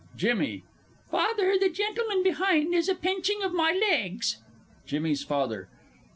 _ JIMMY. Father, the gentleman behind is a pinching of my legs! JIMMY'S FATHER.